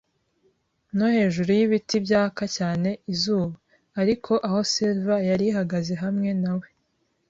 no hejuru y'ibiti byaka cyane izuba. Ariko aho Silver yari ihagaze hamwe na we